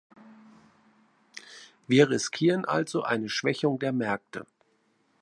Wir riskieren also eine Schwächung der Märkte.